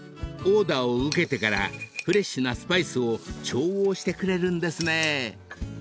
［オーダーを受けてからフレッシュなスパイスを調合してくれるんですね］